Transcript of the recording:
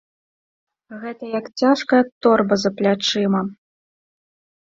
Гэта як цяжкая торба за плячыма!